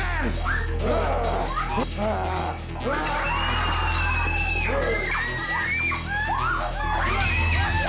perlukan lagi tenaganya